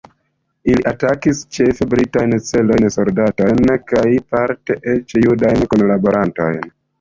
Ili atakis ĉefe britajn celojn, soldatojn kaj parte eĉ judajn kunlaborantojn.